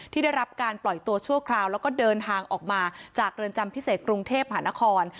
ได้รับการปล่อยตัวชั่วคราวแล้วก็เดินทางออกมาจากเรือนจำพิเศษกรุงเทพหานคร